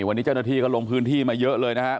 วันนี้เจ้าหน้าที่ก็ลงพื้นที่มาเยอะเลยนะฮะ